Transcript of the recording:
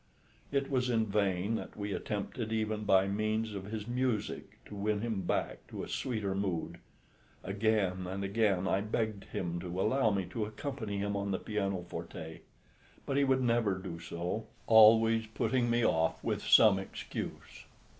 It was in vain that we attempted even by means of his music to win him back to a sweeter mood. Again and again I begged him to allow me to accompany him on the pianoforte, but he would never do so, always putting me off with some excuse.